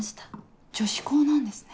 女子校なんですね。